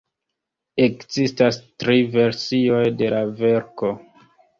Ekzistas tri versioj de la verko.